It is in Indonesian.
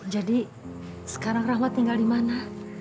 jadi sekarang rahmat tinggal di mana